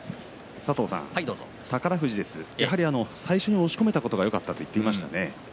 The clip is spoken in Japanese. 宝富士ですが最初、押し込めたことがよかったと言っていました。